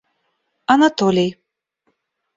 Анатолий